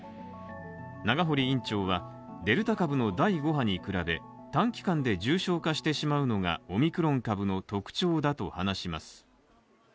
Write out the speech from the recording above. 長堀院長はデルタ株の第５波に比べ、短期間で重症化してしまうのがオミクロン株の特徴だと話します。